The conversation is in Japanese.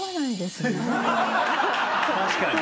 確かに。